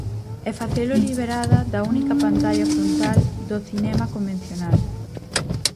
E facelo liberada da única pantalla frontal do cinema convencional.